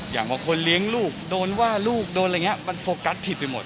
บางคนเลี้ยงลูกโดนว่าลูกโดนอะไรอย่างนี้มันโฟกัสผิดไปหมด